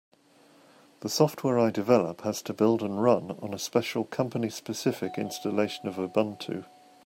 The software I develop has to build and run on a special company-specific installation of Ubuntu.